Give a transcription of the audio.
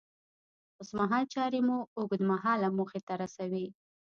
اوسمهال چارې مو اوږد مهاله موخې ته رسوي.